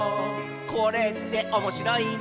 「これっておもしろいんだね」